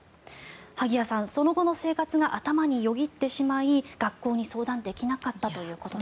萩谷さん、その後の生活が頭によぎってしまい学校に相談できなかったということです。